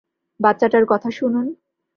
বাচ্চাটার কথা শুনুন!